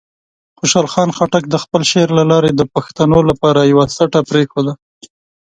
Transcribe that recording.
خوشحال خان خټک د خپل شعر له لارې د پښتنو لپاره یوه سټه پرېښوده.